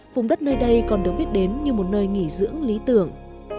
vùng đất nơi đây còn được biết đến như một nơi nghỉ dưỡng lý tưởng